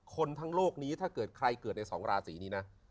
คนทั้งโลกนี้ถ้าเกิดใครเกิดในสองราศีนี้นะ